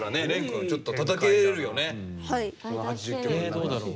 えどうだろう。